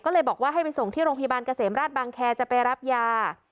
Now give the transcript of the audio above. ก็เลยบอกว่าให้ไปส่งที่โรงพยาบาลเกษมราชบางแคร์จะไปรับยา